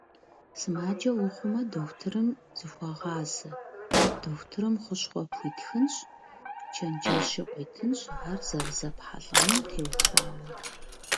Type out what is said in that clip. Сымаджэ ухъумэ, дохутырым зыхуэгъазэ, дохутырым хущхъуэ пхуитхынщ, чэнджэщи къуитынщ ар зэрызэпхьэлӀэнум теухуауэ.